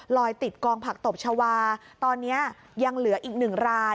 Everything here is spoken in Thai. ติดกองผักตบชาวาตอนนี้ยังเหลืออีกหนึ่งราย